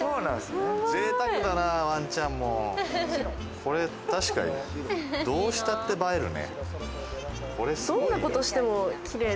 これ、どうしたって映えるね。